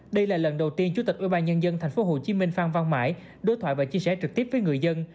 đây là lần đầu tiên chủ tịch ubnd tp hcm phan văn mãi đối thoại và chia sẻ trực tiếp với người dân